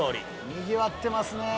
にぎわってますね！